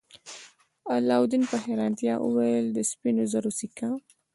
علاوالدین په حیرانتیا وویل د سپینو زرو سکه.